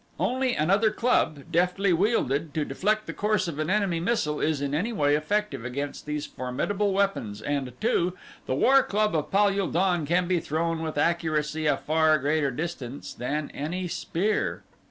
Only another club, deftly wielded to deflect the course of an enemy missile, is in any way effective against these formidable weapons and, too, the war club of Pal ul don can be thrown with accuracy a far greater distance than any spear.